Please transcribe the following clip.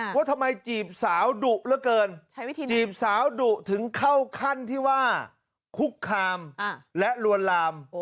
ว่าทำไมจีบสาวดุเหลือเกินจีบสาวดุถึงเข้าขั้นที่ว่าคุกคามและลวนลาม